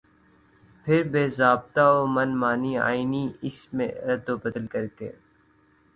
پھر بےضابطہ ومن مانی آئینی اس میں ردوبدل کرکے